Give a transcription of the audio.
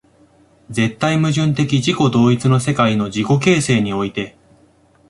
絶対矛盾的自己同一の世界の自己形成において、